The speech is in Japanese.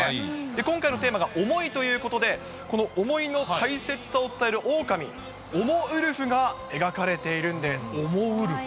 今回のテーマが想いということで、この思いの大切さを伝えるオオカミ、おもウルフが描かれているんおもウルフ。